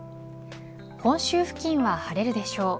本州付近は晴れるでしょう。